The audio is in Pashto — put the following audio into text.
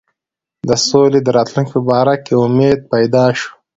د سولي د راتلونکي په باره کې امید پیدا شو.